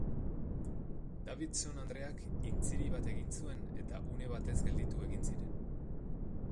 Davidson andreak intziri bat egin zuen eta une batez gelditu egin ziren.